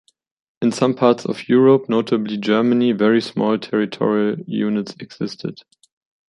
In some parts of Europe, notably Germany, very small territorial units existed.